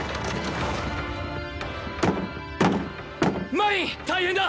マイン大変だ！